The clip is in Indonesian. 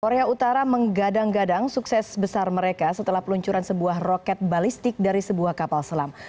korea utara menggadang gadang sukses besar mereka setelah peluncuran sebuah roket balistik dari sebuah kapal selam